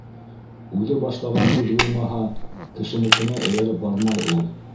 Үҙе башлаған һүҙ булмаһа, кешенекенә эйәреп бармай ул.